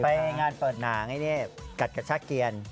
ไปงานเปิดหนังไอ้เนี่ยกัดกระชะเกียร